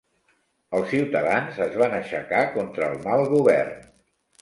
Els ciutadans es van aixecar contra el mal govern.